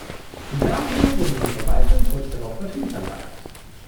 Daher wurde die Verwaltung kurz darauf dorthin verlagert.